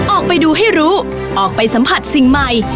ออกไปดูให้รู้ออกไปสัมผัสสิ่งใหม่